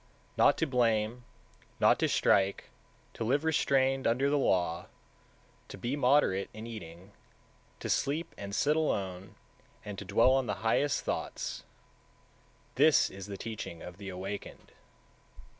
185. Not to blame, not to strike, to live restrained under the law, to be moderate in eating, to sleep and sit alone, and to dwell on the highest thoughts, this is the teaching of the Awakened.